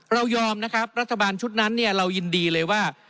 เรายอมนะครับรัฐบาลชุดนั้นเนี่ยเรายินดีเลยว่า